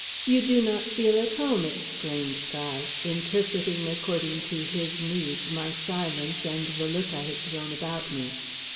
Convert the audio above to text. "You do not feel at home!" exclaimed Guy, interpreting according to his needs my silence and the look I had thrown about me.